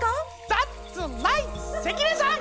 ザッツライト関根さん！